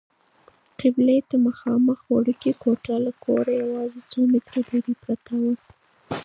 قبلې ته مخامخ وړوکې کوټه له کوره یوازې څو متره لیرې پرته ده.